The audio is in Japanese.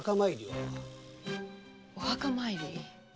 お墓参り。